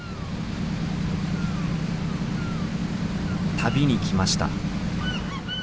旅に来ました。